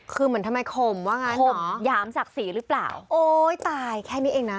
คือเหมือนทำไมข่มว่างั้นข่มหยามศักดิ์ศรีหรือเปล่าโอ้ยตายแค่นี้เองนะ